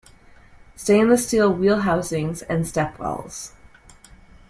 Stainless steel wheelhousings and stepwells.